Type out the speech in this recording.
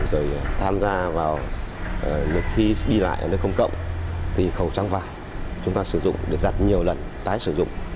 rồi tham gia vào khi đi lại ở nơi công cộng thì khẩu trang vải chúng ta sử dụng để giặt nhiều lần tái sử dụng